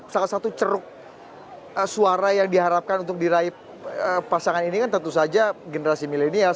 salah satu ceruk suara yang diharapkan untuk diraih pasangan ini kan tentu saja generasi milenial